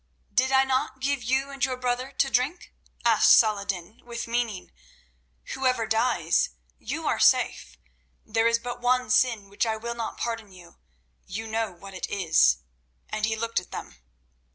"Did I not give you and your brother to drink?" asked Saladin with meaning. "Whoever dies, you are safe. There is but one sin which I will not pardon you—you know what it is," and he looked at them.